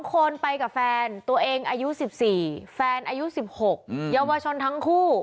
คนไปกับแฟนตัวเองอายุ๑๔แฟนอายุ๑๖เยาวชนทั้งคู่